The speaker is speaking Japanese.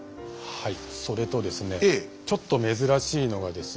はい。